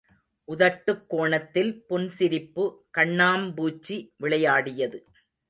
உதட்டுக் கோணத்தில் புன் சிரிப்பு கண்ணாம்பூச்சி விளையாடியது.